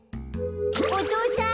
お父さん！